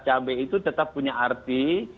cabai itu tetap punya arti